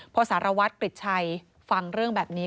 พอสารวัตรกริจชัยฟังเรื่องแบบนี้